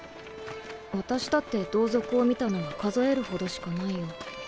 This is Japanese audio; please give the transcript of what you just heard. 私だって同族を見たのは数えるほどしかないよ。